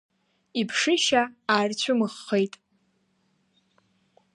Иԥшышьа аарцәымыӷхеит.